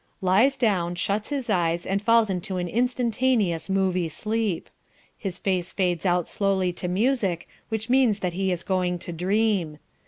Lies down, shuts his eyes and falls into an instantaneous movie sleep. His face fades out slowly to music, which means that he is going to dream.